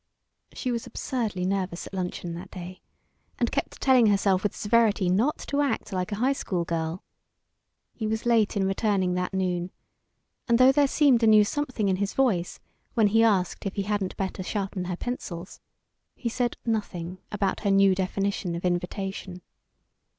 She was absurdly nervous at luncheon that day, and kept telling herself with severity not to act like a high school girl. He was late in returning that noon, and though there seemed a new something in his voice when he asked if he hadn't better sharpen her pencils, he said nothing about her new definition of invitation.